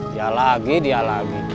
dia lagi dia lagi